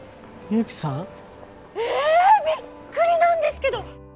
えびっくりなんですけど！